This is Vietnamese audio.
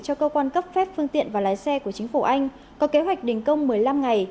cho cơ quan cấp phép phương tiện và lái xe của chính phủ anh có kế hoạch đình công một mươi năm ngày